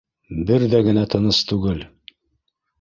Бер ҙә генә тыныс түгел